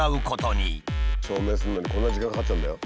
証明するのにこんなに時間かかっちゃうんだよ。